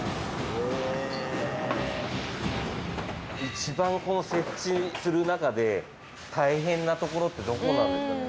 一番この設置する中で大変なところってどこなんですかね？